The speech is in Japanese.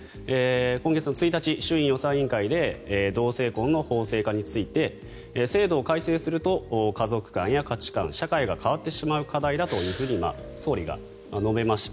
今月１日、衆院予算委員会で同性婚の法制化について制度を改正すると家族観や価値観社会が変わってしまう課題だと総理が述べました。